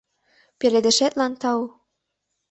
Пеледышетлан тау!